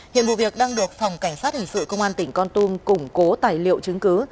hiện vụ việc đang được phòng cảnh sát hình sự công an tỉnh con tum củng cố tài liệu chứng cứ